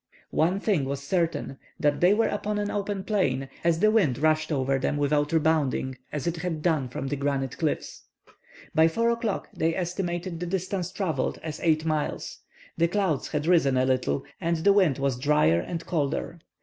One thing was certain, that they were upon an open plain, as the wind rushed over them without rebounding as it had done from the granite cliffs. By 4 o'clock they estimated the distance travelled as eight miles. The clouds had risen a little, and the wind was drier and colder.